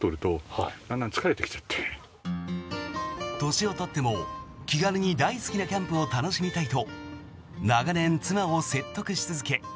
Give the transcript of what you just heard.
年を取っても気軽に大好きなキャンプを楽しみたいと長年、妻を説得し続け